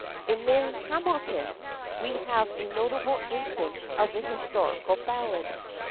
In Mary Hamilton we have a notable instance of the Historical Ballad.